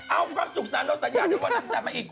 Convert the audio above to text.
เอาความสุขสันต์แล้วสัญญาณให้วันนั้นจะมาอีก